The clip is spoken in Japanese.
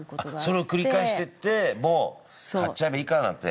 それを繰り返していってもう買っちゃえばいいかなんて。